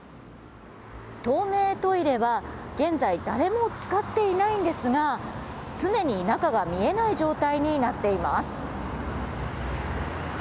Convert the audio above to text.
透明トイレは現在、誰も使っていないんですが常に中が見えない状態になっています。